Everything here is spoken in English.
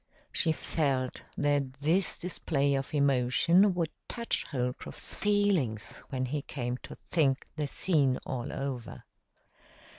She felt that this display of emotion would touch Holcroft's feelings when he came to think the scene all over.